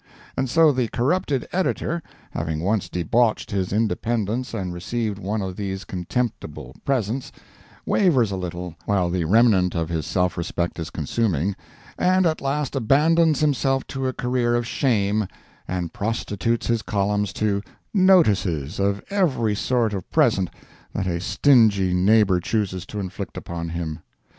And so the corrupted editor, having once debauched his independence and received one of these contemptible presents, wavers a little while the remnant of his self respect is consuming, and at last abandons himself to a career of shame, and prostitutes his columns to "notices" of every sort of present that a stingy neighbor chooses to inflict upon him.